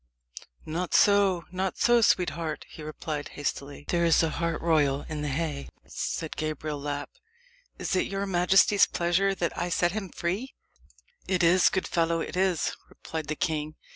"Not so not so, sweetheart," he replied hastily. "There is a hart royal in the haye," said Gabriel Lapp. "Is it your majesty's pleasure that I set him free? "It is, good fellow it is," replied the king.